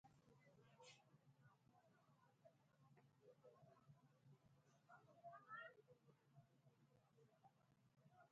A plaque now marks the quarry's location.